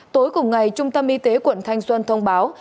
tối cùng ngày trung tâm y tế quận thanh xuân thông báo